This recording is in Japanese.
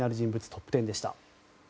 トップ１０でした。